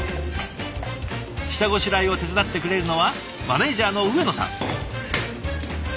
下ごしらえを手伝ってくれるのはマネージャーの上野さん。